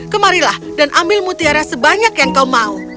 kemarilah dan ambil mutiara sebanyak yang kau mau